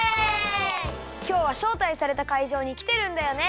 きょうはしょうたいされたかいじょうにきてるんだよね。